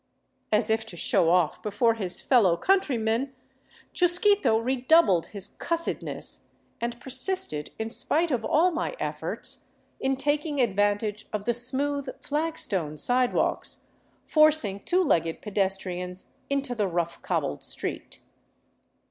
As if to show oflf 379 VAGABONDING DOWN THE ANDES before his fellow countrymen, Chusquito redoubled his cussedness, and persisted, in spite of all my efforts, in taking advantage of the smooth, flagstone sidewalks, forcing two legged pedestrians into the rough cobbled street.